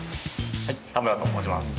田村と申します。